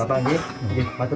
terima kasih pak